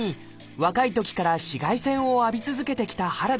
若いときから紫外線を浴び続けてきた原田さん。